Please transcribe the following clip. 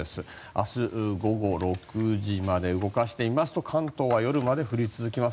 明日、午後６時まで動かしてみますと関東は夜まで降り続きます。